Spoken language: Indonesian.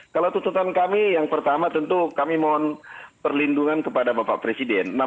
kalau tuntutan kami yang pertama tentu kami mohon perlindungan kepada bapak presiden